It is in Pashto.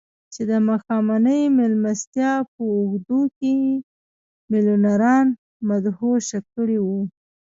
چې د ماښامنۍ مېلمستیا په اوږدو کې يې ميليونران مدهوشه کړي وو.